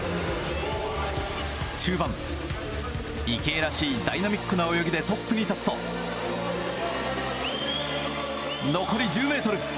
中盤、池江らしいダイナミックな泳ぎでトップに立つと、残り１０ｍ。